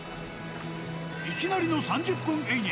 いきなりの３０分遠泳。